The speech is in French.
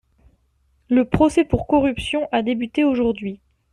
Le procès pour corruption a débuté aujourd’hui.